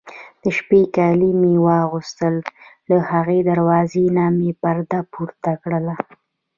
د شپې کالي مې واغوستل، له هغې دروازې نه مې پرده پورته کړل.